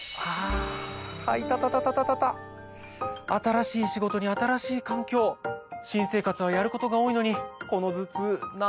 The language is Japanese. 新しい仕事に新しい環境新生活はやることが多いのに。